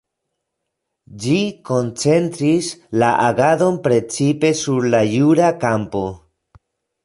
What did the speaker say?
Ĝi koncentris la agadon precipe sur la jura kampo.